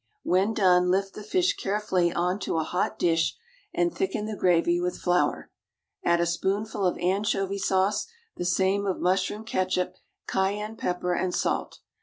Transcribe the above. When done, lift the fish carefully on to a hot dish, and thicken the gravy with flour; add a spoonful of anchovy sauce, the same of mushroom ketchup, cayenne pepper, and salt.